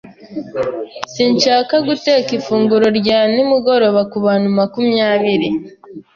Sinshaka guteka ifunguro rya nimugoroba kubantu makumyabiri